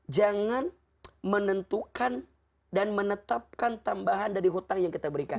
jangan menentukan dan menetapkan tambahan dari hutang yang kita berikan